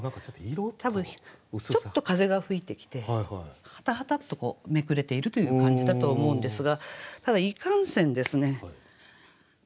多分ちょっと風が吹いてきてハタハタとめくれているという感じだと思うんですがただいかんせんですね